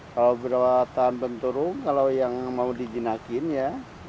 kalau perawatan benturung kalau yang mau dijinakin ya